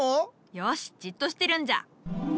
よしじっとしてるんじゃ。